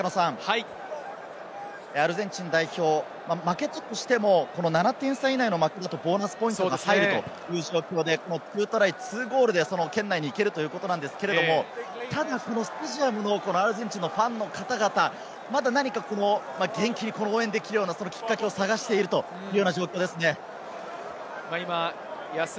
アルゼンチン代表、負けたとしても７点差以内の負けだと、ボーナスポイントが入るという状況で２トライ２ゴールで圏内に行けるということなんですが、スタジアムのファンの方々、元気に応援できるようなきっかけを探している状況ですね。